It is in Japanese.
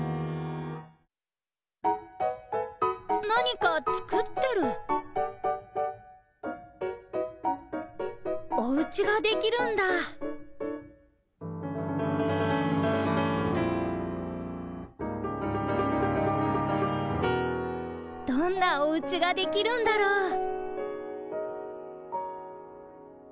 なにかつくってるおうちができるんだどんなおうちができるんだろう？